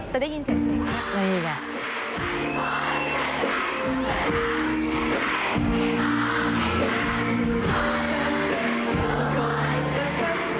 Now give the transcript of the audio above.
จะได้ยินเสียงกรี๊ดไหมอ๋อยังไง